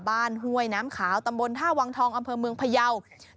ห้วยน้ำขาวตำบลท่าวังทองอำเภอเมืองพยาว